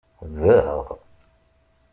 Daɣ!